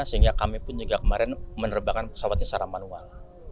sehingga kami pun juga kemarin menerbangkan pesawatnya secara manual